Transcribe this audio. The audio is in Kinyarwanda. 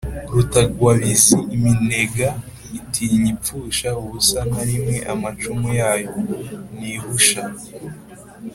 rutagwabiza iminega: itinya ipfusha ubusa na rimwe amacumu yayo: ntihusha